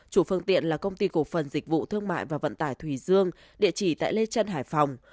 chủ phương tiện là công ty cổ phần dịch vụ thương mại và vận tải thủy dương địa chỉ tại lê trân hải phòng